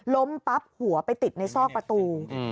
ล้มปั๊บหัวไปติดในซอกประตู